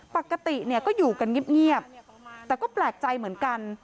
ปกติเนี่ยก็อยู่กันเงียบแต่ก็แปลกใจเหมือนกัน